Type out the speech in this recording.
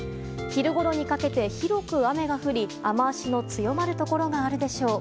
昼ごろにかけて広く雨が降り雨脚の強まるところがあるでしょう。